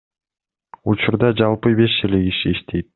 Учурда жалпы беш эле киши иштейт.